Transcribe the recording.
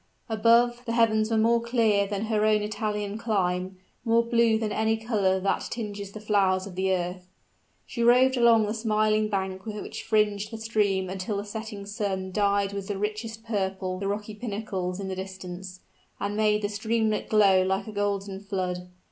Above, the heavens were more clear than her own Italian clime, more blue than any color that tinges the flowers of the earth. She roved along the smiling bank which fringed the stream until the setting sun dyed with the richest purple the rocky pinnacles in the distance, and made the streamlet glow like a golden flood.